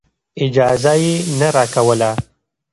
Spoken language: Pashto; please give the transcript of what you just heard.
اجازه یې نه راکوله.